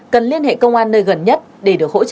cần liên hệ công an nơi gần nhất để được hỗ trợ kịp thời